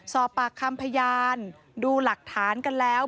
สอบปากคำพยานดูหลักฐานกันแล้ว